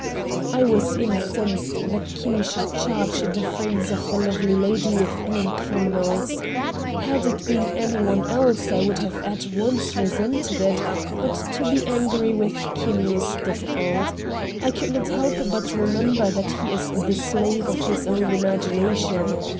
I was incensed that Kinney should charge the friends of the lovely lady with being criminals. Had it been any one else I would have at once resented it, but to be angry with Kinney is difficult. I could not help but remember that he is the slave of his own imagination.